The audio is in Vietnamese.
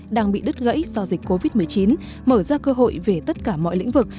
đang bị đứt gãy do dịch covid một mươi chín mở ra cơ hội về tất cả mọi lĩnh vực